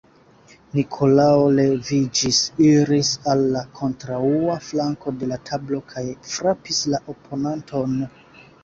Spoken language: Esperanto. Nikolao leviĝis, iris al la kontraŭa flanko de la tablo kaj frapis la oponanton.